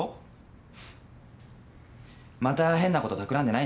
また変なことたくらんでないですよね？